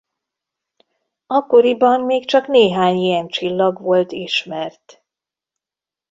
Akkoriban még csak néhány ilyen csillag volt ismert.